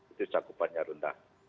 itu cakupan yang rendah